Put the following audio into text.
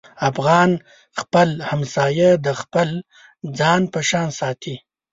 افغان خپل همسایه د خپل ځان په شان ساتي.